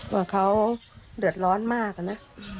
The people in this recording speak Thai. ว่าเขาเดือดร้อนมากอะนะ